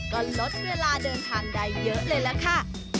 ก็ลดเวลาเดินทางได้เยอะเลยล่ะค่ะ